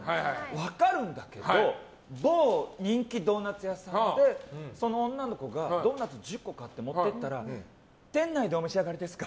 分かるんだけど某人気ドーナツ屋さんでその女の子がドーナツ１０個買って、持って行ったら店内でお召し上がりですか？